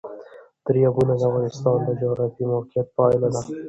دریابونه د افغانستان د جغرافیایي موقیعت پایله ده.